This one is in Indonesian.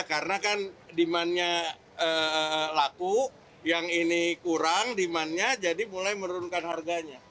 karena kan demand nya laku yang ini kurang demand nya jadi mulai menurunkan harganya